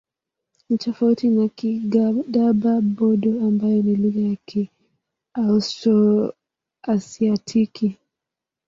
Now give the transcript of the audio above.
Ni tofauti na Kigadaba-Bodo ambayo ni lugha ya Kiaustro-Asiatiki.